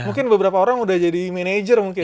mungkin beberapa orang udah jadi manajer mungkin